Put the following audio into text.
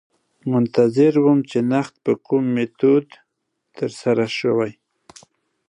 منتظر وم چې نقد په کوم میتود ترسره شوی.